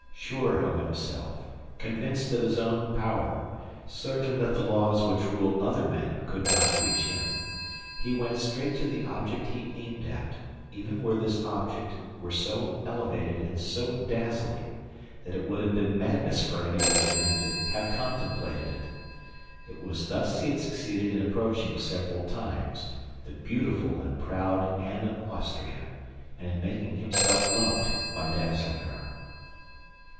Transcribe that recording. Sure of himself, convinced of his own power, certain that the laws which rule other men could not reach him, he went straight to the object he aimed at, even were this object so elevated and so dazzling that it would have been madness for any other even to have contemplated it. It was thus he had succeeded in approaching several times the beautiful and proud Anne of Austria, and in making himself loved by dazzling her.